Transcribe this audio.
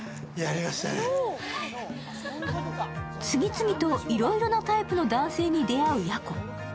更に次々といろいろなタイプの男性に出会うヤコ。